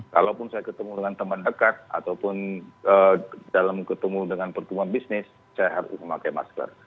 kalaupun saya ketemu dengan teman dekat ataupun dalam ketemu dengan pertumbuhan bisnis saya harus memakai masker